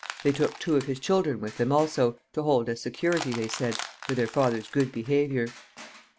They took two of his children with them also, to hold as security, they said, for their father's good behavior.